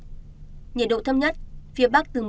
nhiệt độ thấp nhất phía bắc từ một mươi